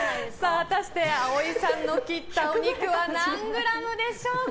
果たして葵さんの切ったお肉は何グラムでしょうか。